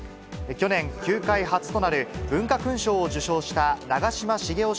去年、球界初となる文化勲章を受章した長嶋茂雄